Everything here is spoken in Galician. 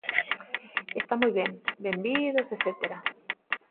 Está moi ben, benvidos etcétera.